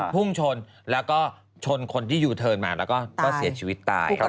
พุ่งชนแล้วก็ชนคนที่ยูเทิร์นมาแล้วก็เสียชีวิตตายครับ